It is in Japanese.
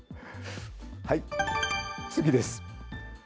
次です。